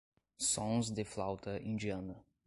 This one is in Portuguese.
Sons de flauta indiana